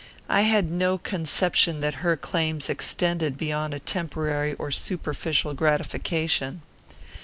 I had no conception that her claims extended beyond a temporary or superficial gratification.